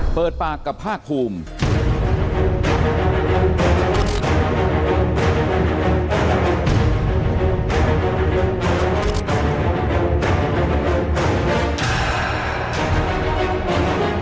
เปิดปากกับภาคภูมิ